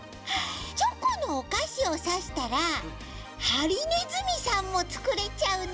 チョコのおかしをさしたらハリネズミさんもつくれちゃうね！